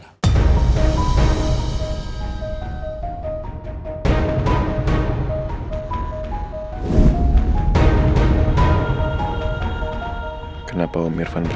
di situ saya mau mencoba